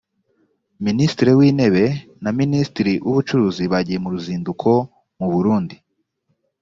minisitiri w intebe na minisitiri w ubucuruzi bagiye mu ruzinduko mu burundi